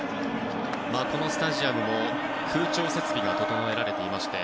このスタジアムは空調設備が整えられていまして